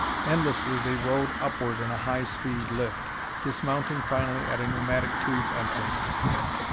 Endlessly they rode upward in a high speed lift, dismounting finally at a pneumatic tube entrance.